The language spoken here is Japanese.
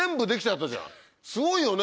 すごいよね！